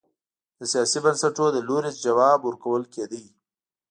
د سیاسي بنسټونو له لوري ځواب ورکول کېده.